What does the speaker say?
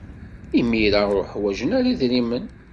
Imir-a, ur ḥwajen ara idrimen.